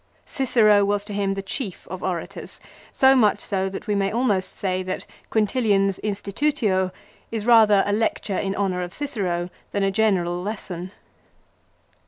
Cicero was to him the chief of orators; so much so that we may almost say that Quintilian's Institutio is rather a lecture in honour of Cicero than a general lesson.